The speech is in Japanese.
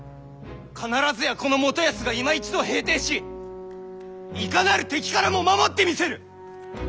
必ずやこの元康がいま一度平定しいかなる敵からも守ってみせる！